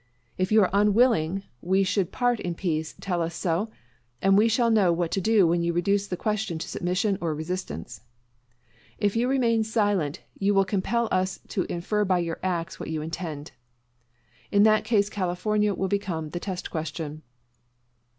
If you are unwilling we should part in peace, tell us so, and we shall know what to do when you reduce the question to submission or resistance. If you remain silent you will compel us to infer by your acts what you intend. In that case California will become the test question.